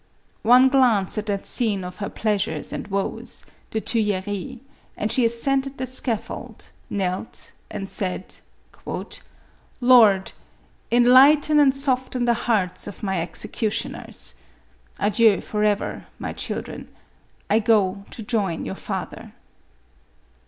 One glance at that scene of her pleasures and woes — the Tuileries, and she ascended the scaffold, knelt, and said, " Lord, enlighten and soften the hearts of my executioners. Adieu forever, my children ; I go to join your father."